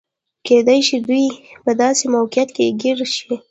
کېدای شي دوی په داسې موقعیت کې ګیر شي.